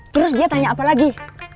terus dia tanya apa lagi